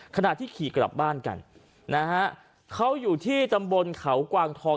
ขณะที่ขี่กลับบ้านกันนะฮะเขาอยู่ที่ตำบลเขากวางทอง